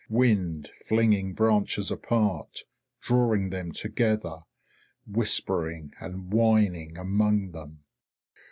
Wind flinging branches apart, drawing them together, whispering and whining among them.